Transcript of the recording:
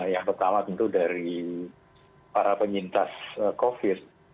yang pertama tentu dari para penyintas covid